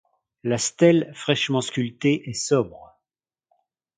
La stèle, fraîchement sculptée, est sobre.